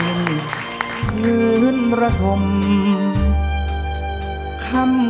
ขอบคุณครับขอบคุณครับเพลงที่สองมูลค่า๒๐๐๐๐บาท